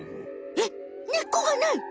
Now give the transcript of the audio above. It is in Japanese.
えっ根っこがない！